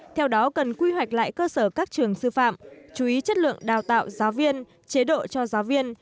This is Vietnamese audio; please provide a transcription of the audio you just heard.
theo đó cần quy hoạch lại cơ sở các trường sư phạm chú ý chất lượng đào tạo giáo viên chế độ cho giáo viên